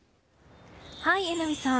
はい、榎並さん。